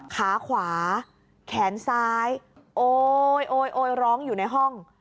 ขาขวาแขนซ้ายโอ๊ยโอยร้องอยู่ในห้อง